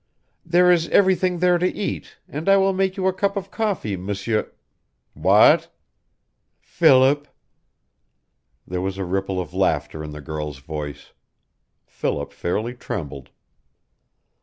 "There is everything there to eat, and I will make you a cup of coffee, M'sieur " "What?" "Philip." There was a ripple of laughter in the girl's voice. Philip fairly trembled.